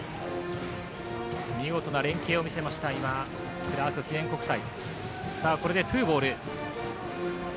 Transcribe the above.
見事な連係を見せましたクラーク記念国際。